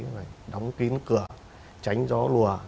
phải đóng kín cửa tránh gió lùa